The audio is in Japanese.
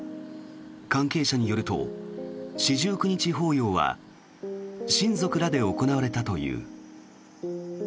関係者によると四十九日法要は親族らで行われたという。